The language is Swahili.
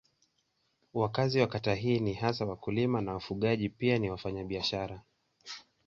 Wakazi wa kata hii ni hasa wakulima na wafugaji pia ni wafanyabiashara.